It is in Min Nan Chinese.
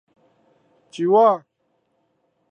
洲仔